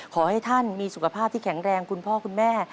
ขอให้ท่านมีสุขภาพที่แข็งแรงคุณพ่อคุณแม่